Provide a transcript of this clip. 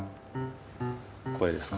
これですか？